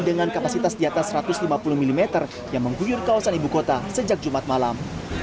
dengan kapasitas di atas satu ratus lima puluh mm yang mengguyur kawasan ibu kota sejak jumat malam